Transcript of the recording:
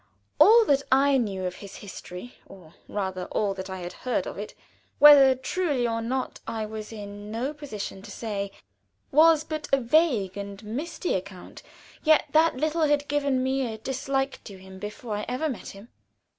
All that I knew of his history or rather, all that I had heard of it, whether truly or not, I was in no position to say was but a vague and misty account; yet that little had given me a dislike to him before I ever met him.